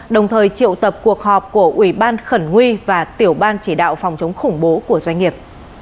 đồng thời triệu tập cuộc họp của ủy ban khẩn huy và tiểu ban chỉ đạo phòng chống khủng bố của doanh nghiệp